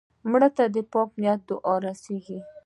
مړه ته د پاک نیت دعا رسېږي